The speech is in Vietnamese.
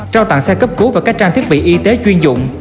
trao tặng xe cấp cứu và các trang thiết bị y tế chuyên dụng